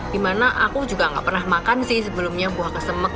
dimana aku juga gak pernah makan sih sebelumnya buah kesembek